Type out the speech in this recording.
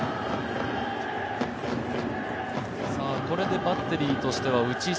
これでバッテリーとしては内